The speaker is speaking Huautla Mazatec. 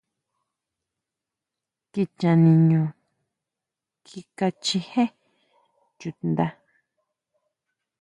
Kicha niʼño kika chijé chuta chuʼnda.